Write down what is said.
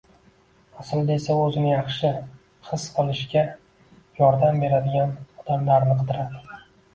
Aslida esa u o‘zini yaxshi his qilishiga yordam beradigan odamlarni qidiradi.